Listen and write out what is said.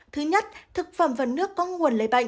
thứ nhất thực phẩm và nước có nguồn lây bệnh